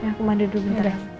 ya aku mandi dulu bentar ya